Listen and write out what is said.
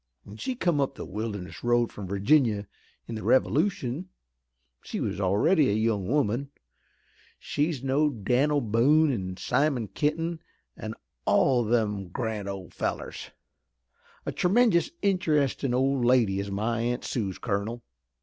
When she come up the Wilderness Road from Virginia in the Revolution she was already a young woman. She's knowed Dan'l Boone and Simon Kenton an' all them gran' old fellers. A tremenjous interestin' old lady is my Aunt Suse, colonel."